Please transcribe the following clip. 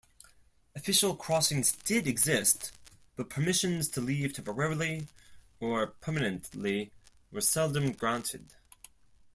Official crossings did exist, but permissions to leave temporarily or permanently were seldom granted.